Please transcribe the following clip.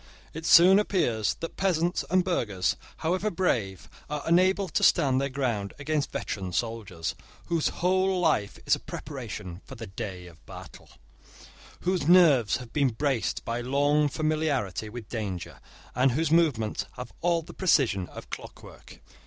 It soon appears that peasants and burghers, however brave, are unable to stand their ground against veteran soldiers, whose whole life is a preparation for the day of battle, whose nerves have been braced by long familiarity with danger, and whose movements have all the precision of clockwork.